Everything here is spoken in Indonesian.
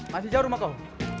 masih jauh rumah kau